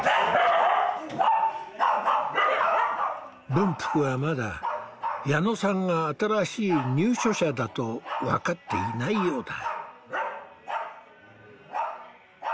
文福はまだ矢野さんが新しい入所者だと分かっていないようだ。